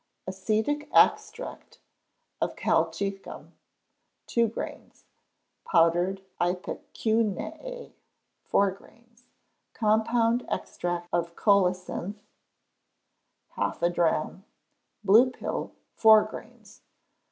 Acetic extract of colchicum, two grains; powdered ipecacuanha, four grains; compound extract of colocynth, half a drachm; blue pill, four grains.